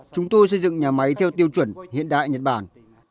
chúng tôi xây dựng nhà máy theo tiêu chuẩn hiện đại nhật bản